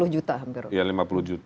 lima puluh juta hampir